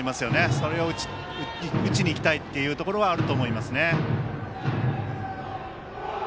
それを打ちに行きたいというところはあると思いますね。